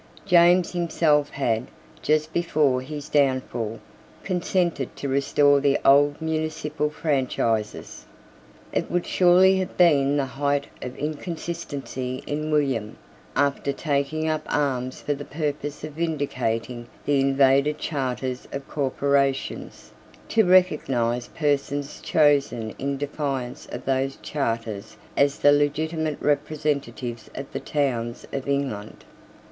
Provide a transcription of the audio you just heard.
James himself had, just before his downfall, consented to restore the old municipal franchises. It would surely have been the height of inconsistency in William, after taking up arms for the purpose of vindicating the invaded charters of corporations, to recognise persons chosen in defiance of those charters as the legitimate representatives of the towns of England.